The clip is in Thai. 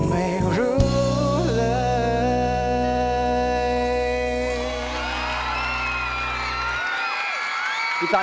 ไม่รู้เลย